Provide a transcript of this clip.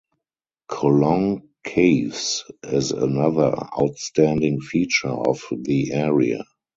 Colong Caves is another outstanding feature of the area.